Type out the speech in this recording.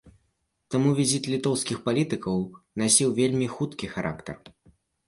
Таму візіт літоўскіх палітыкаў насіў вельмі хуткі характар.